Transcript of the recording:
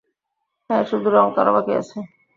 হ্যা, শুধু রং করা বাকি আছে।